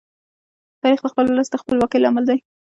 تاریخ د خپل ولس د خپلواکۍ لامل دی.